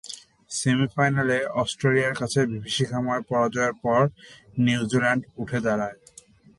সেমি-ফাইনালে অস্ট্রেলিয়ার কাছে বিভীষিকাময় পরাজয়ের পর নিউজিল্যান্ড উঠে দাঁড়ায়।